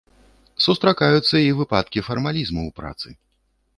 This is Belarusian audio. Сустракаюцца і выпадкі фармалізму ў працы.